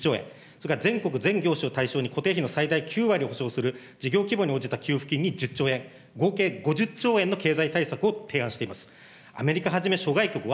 これに２０兆円、それから全国全業種を対象に固定費の最大９割を補償する、事業規模に応じた給付金に１０兆円、合計５０兆円の経済対策を提案しています。